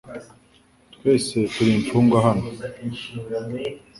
Twese turi imfungwa hano .